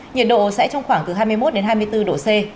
nhiệt độ sẽ trong khoảng từ hai mươi một đến hai mươi bốn độ c